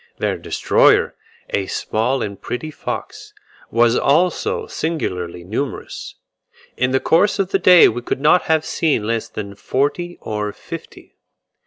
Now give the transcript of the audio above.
Their destroyer, a small and pretty fox, was also singularly numerous; in the course of the day we could not have seen less than forty or fifty.